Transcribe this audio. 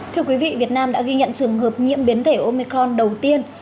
thưa quý vị việt nam đã ghi nhận trường hợp nhiễm biến thể omecron đầu tiên